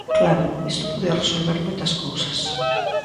Claro, isto podía resolver moitas cousas.